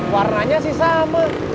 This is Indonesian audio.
warnanya sih sama